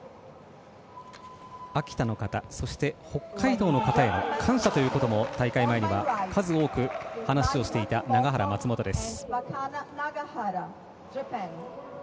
秋田の方、そして北海道の方への感謝というのも大会前には数多く話をしていた永原、松本です。